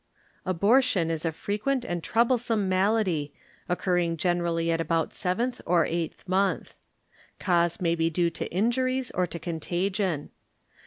Abortiom is a frequent and trouble some malady, occurring general^ at about seventh or eighth month. Cause may be due to injuries or to contagion.